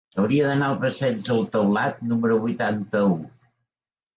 Hauria d'anar al passeig del Taulat número vuitanta-u.